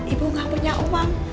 ibu enggak punya uang